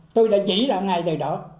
tôi đã chỉ ra ngay từ đó